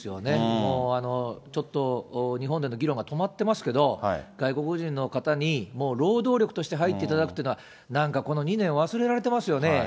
もうちょっと日本での議論が止まってますけど、外国人の方にもう労働力として入っていただくっていうのは、なんかこの２年、忘れられてますよね。